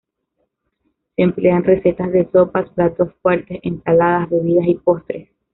Se emplea en recetas de sopas, platos fuertes, ensaladas, bebidas y postres.